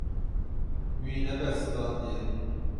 Wî nebersivandiye.